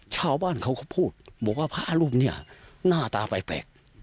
ชาวบ้านเขาก็พูดบอกว่าพระรูปนี้หน้าตาแปลก